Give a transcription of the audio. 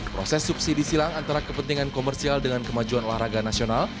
proses subsidi silang antara kepentingan komersial dengan kemajuan olahraga nasional